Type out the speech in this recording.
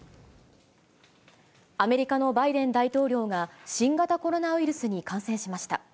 アメリカのバイデン大統領が、新型コロナウイルスに感染しました。